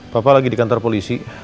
papa lagi di kantor polisi